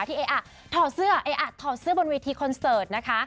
เออถอดเสื้อเอ๊ะถอดเสื้อบนเวทีคอนเสิร์ตนะคะ